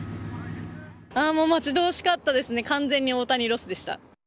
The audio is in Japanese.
もう待ち遠しかったですね、完全に大谷ロスでした。